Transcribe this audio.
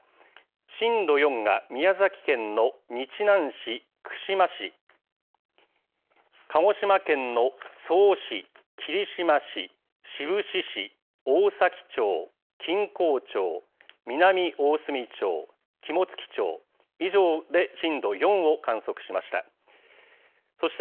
震度４が宮崎県の日南市、串間市、鹿児島県の曽於市、霧島市、志布志市、大崎町、錦江町、南大隅町、肝付町、以上で震度４を観測しました。